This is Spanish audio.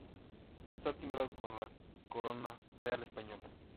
Está timbrado con la Corona Real Española.